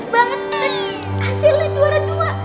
banget nih hasilnya juara dua